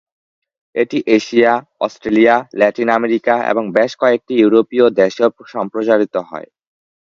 এটি Asia, Australia, Latin America এবং বেশ কয়েকটি ইউরোপীয় দেশেও সম্প্রচারিত হয়।